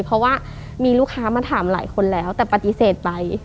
เพราะว่ามีลูกค้ามาถามหลายคนแล้วแต่ปฏิเสธไป